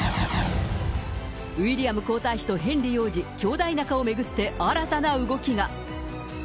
ウィリアム皇太子とヘンリー王子、兄弟仲を巡って新たな動きが。